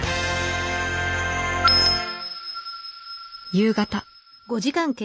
夕方。